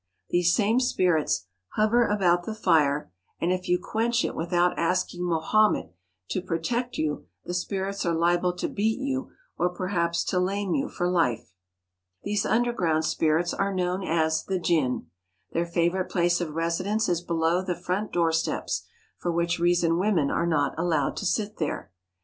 These same spirits hover about the fire, and if you quench it without asking Mohammed to protect you the spirits are liable to beat you or perhaps lame you for life. These underground spirits are known as the jinn. Their favourite place of residence is below the front doorsteps, for which reason women are not allowed to sit there.